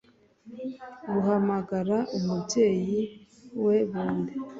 buhamagara umubyeyi we bombi